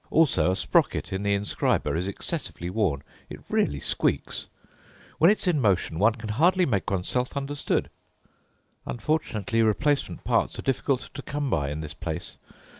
Also a sprocket in the inscriber is excessively worn. It really squeaks. When it's in motion one can hardly make oneself understood. Unfortunately replacement parts are difficult to come by in this place.